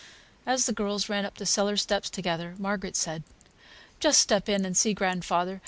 As the girls ran up the cellar steps together, Margaret said: "Just step in and see grandfather.